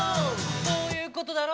「そういうことだろ」